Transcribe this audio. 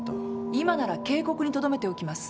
今なら警告にとどめておきます。